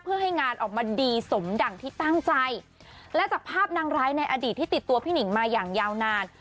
เพื่อให้งานออกมาดีสมดั่งที่ตั้งใจและจากภาพนางร้ายในอดีตที่ติดตัวพี่หนิงมาอย่างยาวนาน